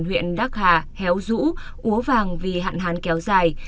huyện đắc hà héo dũ ủa vàng vì hạn hán kéo dài